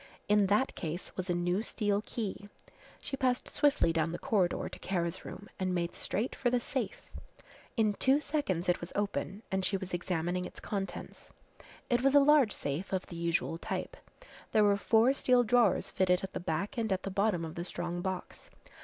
In that case was a new steel key. She passed swiftly down the corridor to Kara's room and made straight for the safe. In two seconds it was open and she was examining its contents. It was a large safe of the usual type. There were four steel drawers fitted at the back and at the bottom of the strong box.